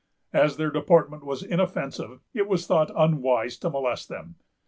As their deportment was inoffensive, it was thought unwise to molest them.